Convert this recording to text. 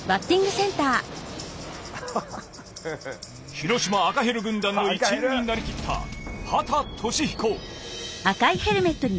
広島赤ヘル軍団の一員になりきった畑俊彦。